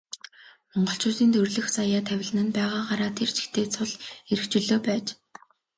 Монголчуудын төрөлх заяа тавилан нь байгаагаараа тэр чигтээ цул эрх чөлөө байж.